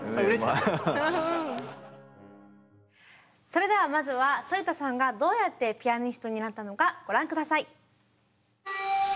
それではまずは反田さんがどうやってピアニストになったのかご覧下さい。